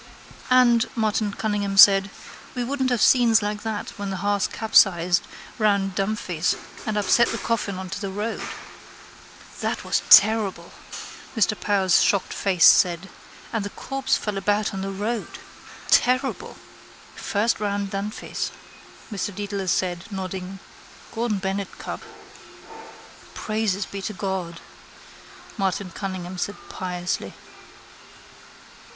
—And, Martin Cunningham said, we wouldn't have scenes like that when the hearse capsized round Dunphy's and upset the coffin on to the road. —That was terrible, Mr Power's shocked face said, and the corpse fell about the road. Terrible! —First round Dunphy's, Mr Dedalus said, nodding. Gordon Bennett cup. —Praises be to God! Martin Cunningham said piously.